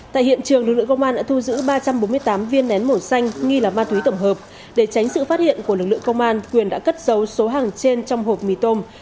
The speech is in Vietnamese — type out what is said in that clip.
tại hiện trường lực lượng công an đã thu giữ ba trăm bốn mươi tám viên nén màu xanh nghi là ma túy tổng hợp để tránh sự phát hiện của lực lượng công an quyền đã cất dấu số hàng trên trong hộp mì tôm